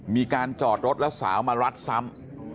มีการจอดรถแล้วสาวมารัดซ้ำ